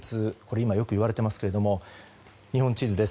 今よく言われていますけれども日本地図です。